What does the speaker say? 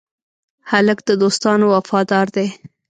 هلک د دوستانو وفادار دی.